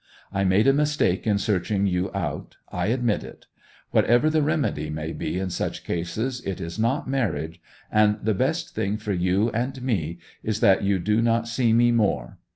I made a mistake in searching you out; I admit it; whatever the remedy may be in such cases it is not marriage, and the best thing for you and me is that you do not see me more.